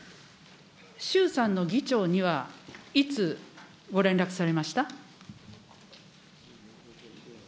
衆参の議長には、いつ、ご連絡されました。